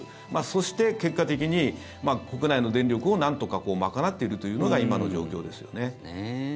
そして、結果的に国内の電力をなんとか賄っているというのが今の状況ですよね。